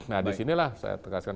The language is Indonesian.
nah di sinilah saya tekaskan